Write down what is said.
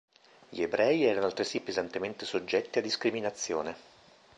Gli ebrei erano altresì pesantemente soggetti a discriminazione.